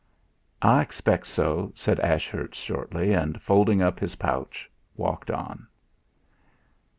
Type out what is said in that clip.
"I expect so," said Ashurst shortly, and folding up his pouch, walked on.